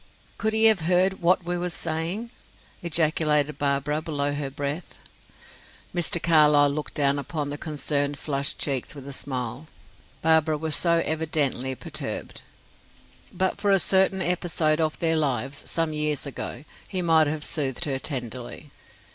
"Could he have heard what we were saying?" ejaculated Barbara, below her breath. Mr. Carlyle looked down upon the concerned, flushed cheeks with a smile. Barbara was so evidently perturbed. But for a certain episode of their lives, some years ago, he might have soothed her tenderly.